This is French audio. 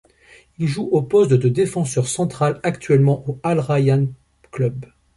Il joue au poste de défenseur central, actuellement au Al Rayyan Club.